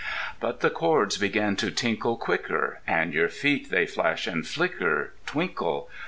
But the chords begin to tinkle Quicker, And your feet they flash and flicker— Twinkle!